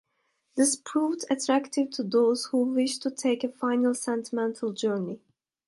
This proved attractive to those who wished to take a final sentimental journey.